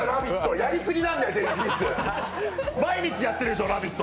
毎日やってるでしょ「ラヴィット！」